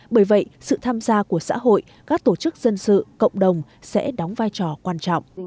bởi vậy sự tham gia của xã hội các tổ chức dân sự cộng đồng sẽ đóng vai trò quan trọng